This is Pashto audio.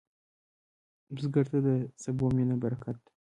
بزګر ته د سبو مینه برکت ده